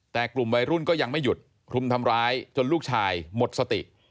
แต่กลุ่มวัยรุ่นก็ยังไม่หยุดคลุมทำร้ายจนลูกชายหมดสติ